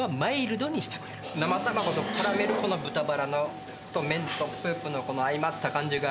生卵と絡めるこの豚バラのと麺とスープのこの相まった感じが。